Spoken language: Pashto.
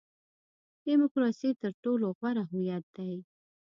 ډیموکراسي تر ټولو غوره هویت دی.